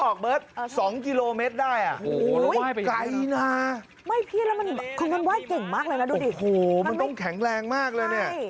โอ้โหมันต้องแข็งแรงมากเลยเนี่ย